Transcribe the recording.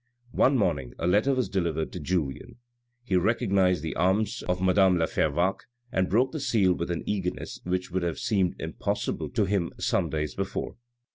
One morning a letter was delivered to Julien. He recog nised the arms of madame la Fervaques, and broke the seal with an eagerness which would have seemed impossible to him some days before.